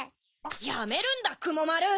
やめるんだくもまる！